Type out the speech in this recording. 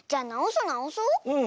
うん。